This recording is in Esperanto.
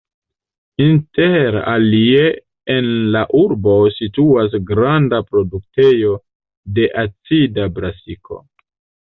Inter alie en la urbo situas granda produktejo de acida brasiko.